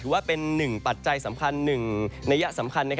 ถือว่าเป็น๑ปัจจัยสำคัญ๑นัยสำคัญ